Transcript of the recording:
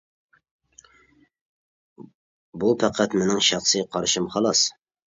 بۇ پەقەت مىنىڭ شەخسى قارشىم خالاس.